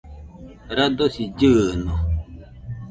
radosi llɨɨno